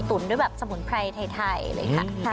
ตุ๋นด้วยสมุนไพรไทยเลยค่ะ